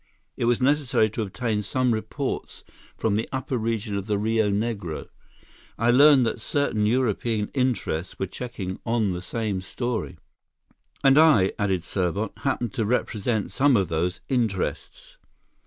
It was necessary to obtain some reports from the upper region of the Rio Negro. I learned that certain European interests were checking on the same story." "And I," added Serbot, "happened to represent some of those interests."